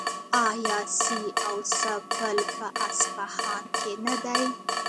آیا سي او سه پل په اصفهان کې نه دی؟